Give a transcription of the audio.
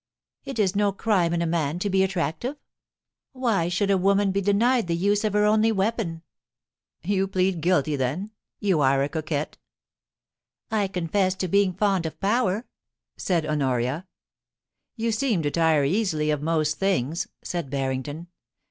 * It is no crime in a man to be attractive. VVhy should a woman be denied the use of her only weapon ?'* You plead guilty, then ? You are a coquette ?'* I confess to being fond of power,' said Honoria. BARRINGTON AND HONORIA. 171 * You seem to tire easily of most things,' said Barrington.